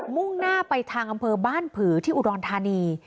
มุ่งหน้าไปทางอำเภอบ้านผือที่อุดรธานี